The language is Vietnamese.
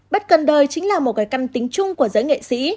bất cần đời chính là một cái căm tính chung của giới nghệ sĩ